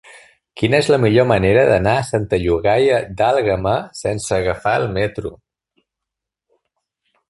Quina és la millor manera d'anar a Santa Llogaia d'Àlguema sense agafar el metro?